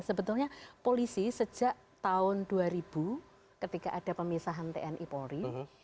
sebetulnya polisi sejak tahun dua ribu ketika ada pemisahan tni polri